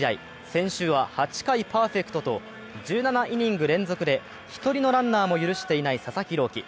先週は８回パーフェクトと１７イニング連続で１人のランナーも許していない佐々木朗希。